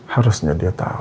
harusnya dia tahu